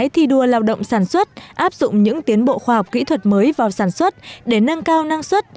thi đua lao động sản xuất áp dụng những tiến bộ khoa học kỹ thuật mới vào sản xuất để nâng cao năng suất